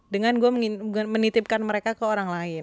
dengan gue menitipkan mereka ke orang lain